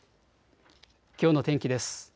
きょうの天気です。